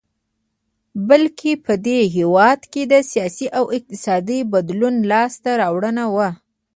بلکې په دې هېواد کې د سیاسي او اقتصادي بدلون لاسته راوړنه وه.